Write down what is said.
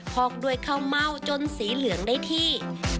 พอกด้วยข้าวเม่าจนสีเหลืองได้ที่